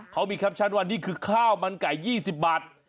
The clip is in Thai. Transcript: เขามีแคปชั่นว่านี่คือข้าวมันไก่๒๐บาท